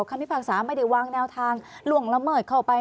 พิพากษาไม่ได้วางแนวทางล่วงละเมิดเข้าไป